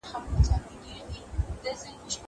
زه کتابتون ته راتګ کړی دی!!